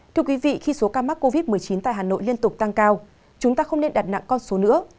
thưa quý vị khi số ca mắc covid một mươi chín tại hà nội liên tục tăng cao chúng ta không nên đặt nặng con số nữa